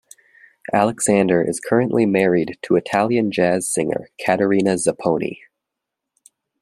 Alexander is currently married to Italian jazz singer Caterina Zapponi.